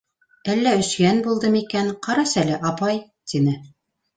Әллә өсйән булдымы икән, ҡарасәле, апай, — тине.